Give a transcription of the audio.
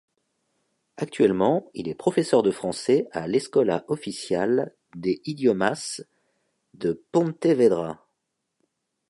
Actuellement il est professeur de français à l'Escola Oficial de Idiomas de Pontevedra.